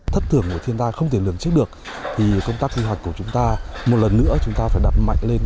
thất thưởng của thiên gia không thể lường trước được thì công tác du học của chúng ta một lần nữa chúng ta phải đặt mạnh lên